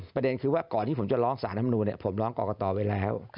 ประเด็นคือว่าก่อนที่ผมจะร้องสารธรรมนูนผมร้องกรกตไว้แล้ว